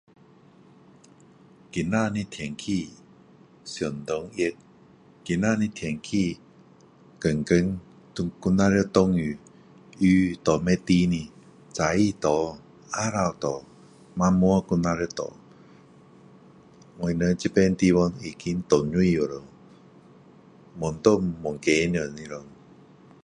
今天的天气相当热今天的天气天天还在下雨雨下不停的早上下下午下晚上还在下我们这边地方已经涨水了了越涨越高上来了